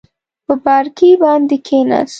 په بارکي باندې کېناست.